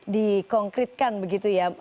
di konkretkan begitu ya